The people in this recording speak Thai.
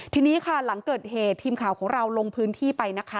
ทีนี้ค่ะหลังเกิดเหตุทีมข่าวของเราลงพื้นที่ไปนะคะ